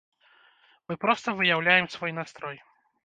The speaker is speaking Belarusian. Мы проста выяўляем свой настрой.